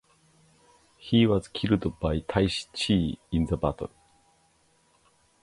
He was killed by Taishi Ci in the battle.